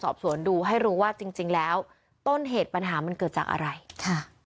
สอบสวนดูให้รู้ว่าจริงจริงแล้วต้นเหตุปัญหามันเกิดจากอะไรค่ะ